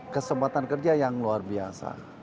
kesempatan kerja yang luar biasa